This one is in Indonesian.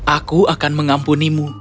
aku akan mengampunimu